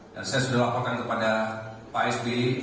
dan saya sudah lakukan kepada pak spi